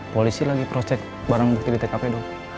polisi lagi projek barang bukti di tkp dong